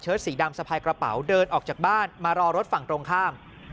สีดำสะพายกระเป๋าเดินออกจากบ้านมารอรถฝั่งตรงข้าม